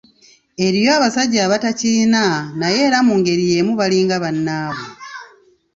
Eriyo abasajja abatakirina naye era mu ngeri yeemu balinga bannaabwe.